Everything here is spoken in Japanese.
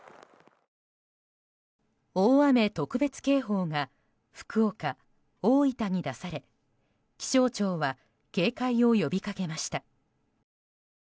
大雨特別警報が福岡、大分に出され気象庁は警戒を呼びかけました。